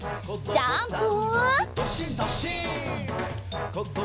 ジャンプ！